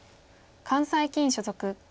関西棋院所属。